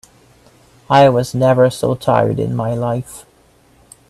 I was never so tired in my life.